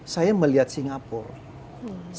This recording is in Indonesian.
saya melihat singapura